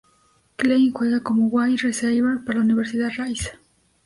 Klein juega como wide receiver para la Universidad Rice.